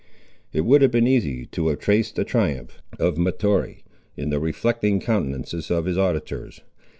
It would have been easy to have traced the triumph of Mahtoree, in the reflecting countenances of his auditors.